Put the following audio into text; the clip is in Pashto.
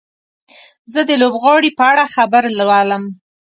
زه د لوبغاړي په اړه خبر لولم.